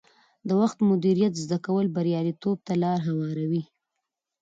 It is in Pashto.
د وخت مدیریت زده کول بریالیتوب ته لار هواروي.